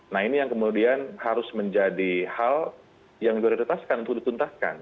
nah ini yang kemudian harus menjadi hal yang prioritaskan untuk dituntaskan